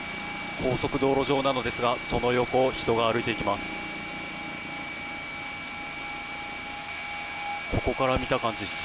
高速道路上なのですがその横を人が歩いていきます。